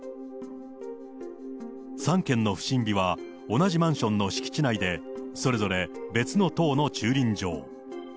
３件の不審火は同じマンションの敷地内で、それぞれ別の棟の駐輪場。